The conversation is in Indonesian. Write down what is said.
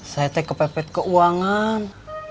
saya teh kepepet keuangan